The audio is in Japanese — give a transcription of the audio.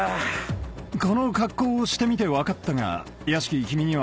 この格好をしてみて分かったが屋敷。